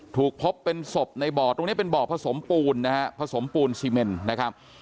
ถูกพบเป็นศพในบ่อตรงนี้เป็นบ่อผสมปูนนะฮะผสมปูนซีเมนนะครับ